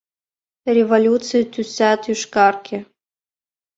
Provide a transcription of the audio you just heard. Революций тӱсат йошкарге...